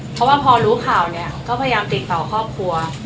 เพราะว่าพอรู้ข่าวเนี่ยก็พยายามติดต่อครอบครัว